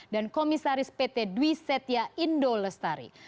dan komisaris pt dwi setia indo lestari